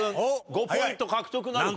５ポイント獲得なるか？